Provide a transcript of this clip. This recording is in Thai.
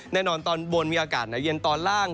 แน่นอนตอนบนมีอากาศหนาวเย็นตอนล่าง